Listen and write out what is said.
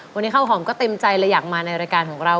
วันนี้ข้าวหอมก็เต็มใจเลยอยากมาในรายการของเรา